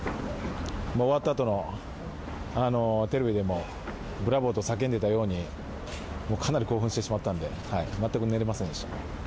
終わったあとのテレビでもブラボー！と叫んでいたようにかなり興奮してしまったので全く寝られませんでした。